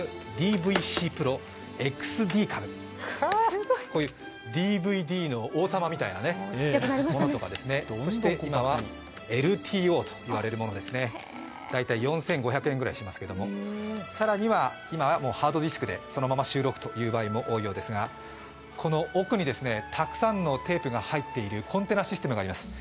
そして今はＨｄｃａｍ、ＤＶＣＰＲＯ、Ｘｄｃａｍ、ＤＶＤの王様みたいなものとか、そして今はＬＴＯと呼ばれるものです大体４５００円くらいしますけれども更には今はハードディスクでそのまま収録ということも多いそうですがこの奥にたくさんのテープが入っているコンテナシステムがあります。